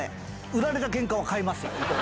売られたけんかは買いますよ。